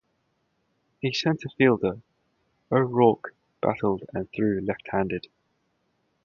A center fielder, O'Rourke batted and threw left-handed.